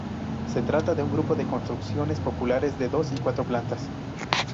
Se trata de un grupo de construcciones populares de dos y cuatro plantas.